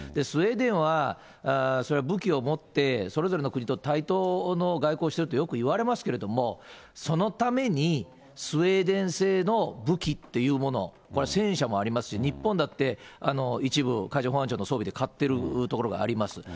スウェーデンはそれは武器を持って、それぞれの国と対等の外交をしてるとよくいわれますけれども、そのために、スウェーデン製の武器っていうもの、これ、戦車もありますし、日本だって、一部、海上保安庁の装備で、買ってるところがあります。